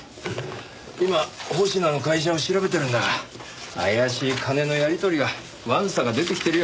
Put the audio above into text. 今保科の会社を調べてるんだが怪しい金のやり取りがわんさか出てきてるよ。